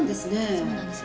そうなんですよ